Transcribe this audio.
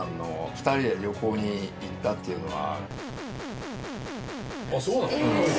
２人で旅行に行ったっていうのは。